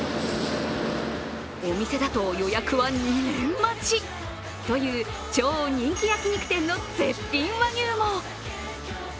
お店だと予約は２年待ちという超人気焼き肉店の絶品和牛も。